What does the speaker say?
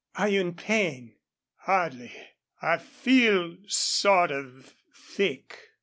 "Are you in pain?" "Hardly. I feel sort of thick."